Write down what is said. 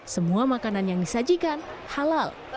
semua makanan yang disajikan halal